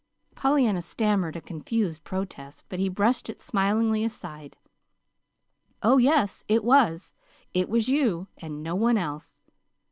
Pollyanna stammered a confused protest; but he brushed it smilingly aside. "Oh, yes, it was! It was you, and no one else.